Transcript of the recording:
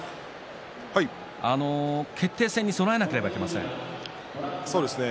決定戦に備えなければいけませんね。